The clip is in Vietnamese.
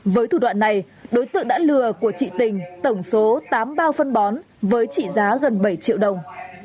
với thủ đoạn này đối tượng đã lừa của chị tình tổng số tám bao phân bón với trị giá gần bảy triệu đồng